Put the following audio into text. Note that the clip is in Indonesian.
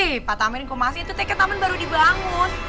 ih pak tamrin aku masih itu teka taman baru dibangun